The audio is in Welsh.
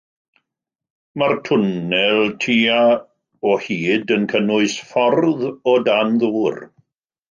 Mae'r twnnel tua o hyd, yn cynnwys ffordd o dan ddŵr.